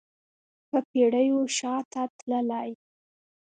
په پیړیو شاته تللی